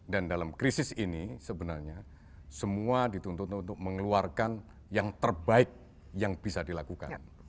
dan dalam krisis ini sebenarnya semua dituntut untuk mengeluarkan yang terbaik yang bisa dilakukan